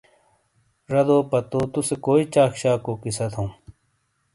زادو پتو توسے کوئی چاک شاکو قصہ تھوں ۔